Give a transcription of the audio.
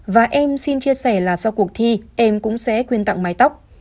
và em xin chia sẻ là sau cuộc thi em cũng sẽ quyên tặng mái tóc